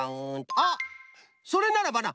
あっそれならばな